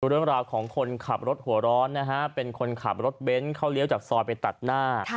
เรื่องราวของคนขับรถหัวร้อนนะฮะเป็นคนขับรถเบนท์เขาเลี้ยวจากซอยไปตัดหน้า